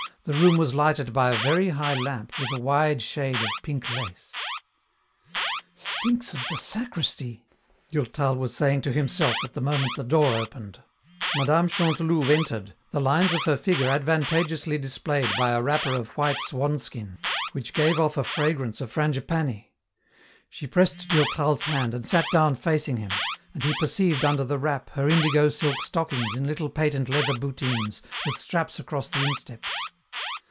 The room was lighted by a very high lamp with a wide shade of pink lace "Stinks of the sacristy!" Durtal was saying to himself at the moment the door opened. Mme. Chantelouve entered, the lines of her figure advantageously displayed by a wrapper of white swanskin, which gave off a fragrance of frangipane. She pressed Durtal's hand and sat down facing him, and he perceived under the wrap her indigo silk stockings in little patent leather bootines with straps across the insteps.